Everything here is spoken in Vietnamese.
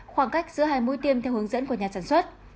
khoảng cách giữa hai mũi tiêm theo hướng dẫn của nhà sản xuất